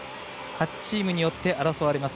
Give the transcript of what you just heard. ８チームによって争われます。